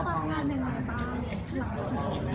รับงานหนึ่งไหมป่าว